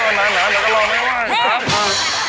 นานนานเดี๋ยวก็รอไม่ไหว